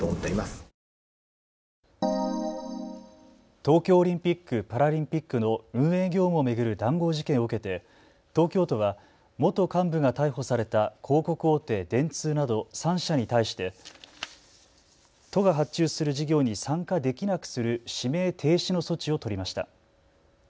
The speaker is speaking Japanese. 東京オリンピック・パラリンピックの運営業務を巡る談合事件を受けて東京都は元幹部が逮捕された広告大手、電通など３社に対して都が発注する事業に参加できなくする指名停止の措置を取りました。